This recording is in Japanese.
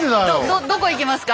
どどこ行きますか？